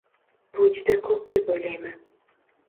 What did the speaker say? Bu juda ko‘p, deb o‘ylayman.